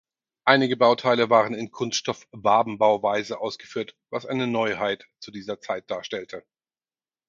Einige Bauteile waren in Kunststoff-Wabenbauweise ausgeführt, was eine Neuheit zu dieser Zeit darstellte.